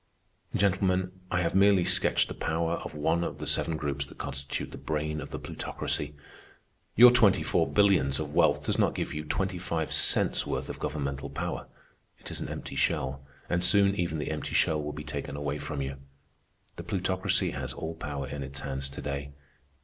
_" "Gentlemen, I have merely sketched the power of one of the seven groups that constitute the brain of the Plutocracy. Your twenty four billions of wealth does not give you twenty five cents' worth of governmental power. It is an empty shell, and soon even the empty shell will be taken away from you. The Plutocracy has all power in its hands to day.